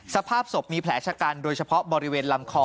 สภาพศพมีแผลชะกันโดยเฉพาะบริเวณลำคอ